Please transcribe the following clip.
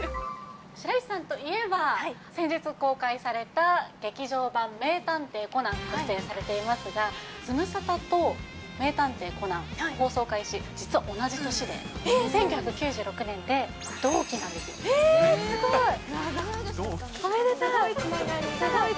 白石さんといえば、先日公開された劇場版名探偵コナンにご出演されていますが、ズムサタと名探偵コナン、放送開始、実は同じ年で、えー、すごい。おめでたい。